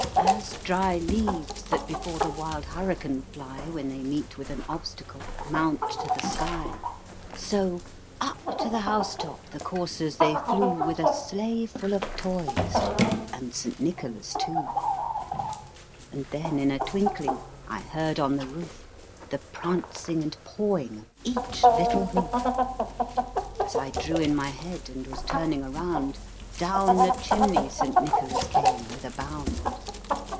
As dry leaves that before the wild hurricane fly, When they meet with an obstacle, mount to the sky, So, up to the house top the coursers they flew, With a sleigh full of toys and St. Nicholas too. And then in a twinkling I heard on the roof, The prancing and pawing of each little hoof. As I drew in my head, and was turning around, Down the chimney St. Nicholas came with a bound.